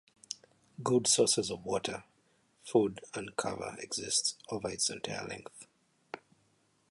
Good sources of water, food, and cover exist over its entire length.